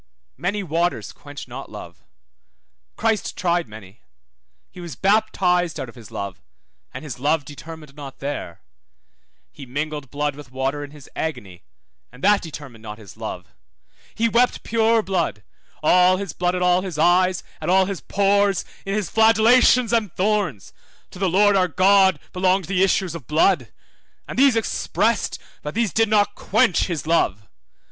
Many waters quench not love. 3030 Cant. 8:7. Christ tried many: he was baptised out of his love, and his love determined not there; he mingled blood with water in his agony, and that determined not his love; he wept pure blood, all his blood at all his eyes, at all his pores, in his flagellation and thorns (to the Lord our God belonged the issues of blood), and these expressed, but these did not quench his love.